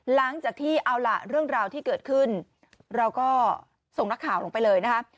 หลังจากที่เอาล่ะเรื่องราวที่เกิดขึ้นเราก็ส่งนักข่าวลงไปเลยนะคะ